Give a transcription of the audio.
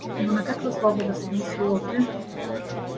Но на каква слобода се мисли овде?